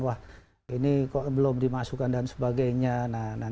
wah ini kok belum dimasukkan dan sebagainya nah nanti kita akan sesuaikan permintaan permintaan